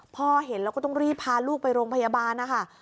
พ่อเห็นแล้วก็ต้องรีบพาลูกไปโรงพยาบาลนะคะ